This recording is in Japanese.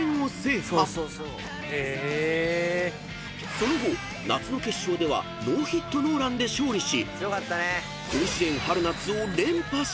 ［その後夏の決勝ではノーヒットノーランで勝利し］